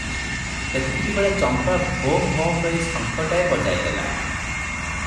ତେତିକିବେଳେ ଚମ୍ପା ଭୋଁ, ଭୋଁ କରି ଶଙ୍ଖଟାଏ ବଜାଇ ଦେଲା ।